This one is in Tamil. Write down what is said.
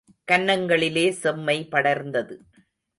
கன்னங்களிலே செம்மை படர்ந்தது.